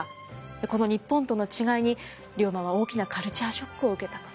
この日本との違いに龍馬は大きなカルチャーショックを受けたとされてます。